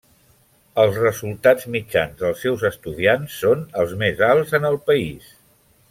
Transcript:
Els resultats mitjans dels seus estudiants són els més alts en el país.